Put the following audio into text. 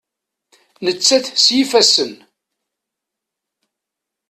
Nettat s yifassen.